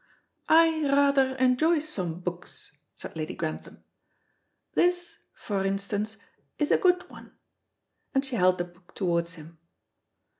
"I rather enjoy some books," said Lady Grantham. "This, for instance, is a good one," and she held the book towards him.